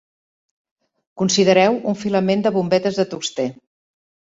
Considereu un filament de bombetes de tungstè.